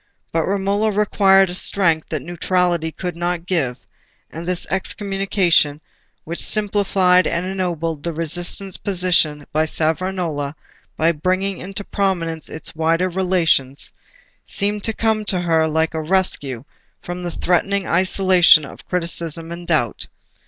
But Romola required a strength that neutrality could not give; and this Excommunication, which simplified and ennobled the resistant position of Savonarola by bringing into prominence its wider relations, seemed to come to her like a rescue from the threatening isolation of criticism and doubt.